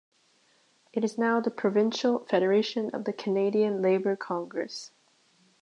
It is now the provincial federation of the Canadian Labour Congress.